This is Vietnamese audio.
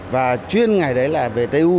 và chuyên ngày đấy là về t u